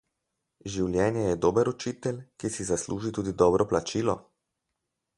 Življenje je dober učitelj, ki si zasluži tudi dobro plačilo.